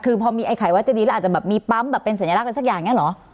คือพอมีไอไข่วัดเจดีอาจจะมีปั๊มเป็นสัญลักษณ์สักอย่างอย่างนี้หรอ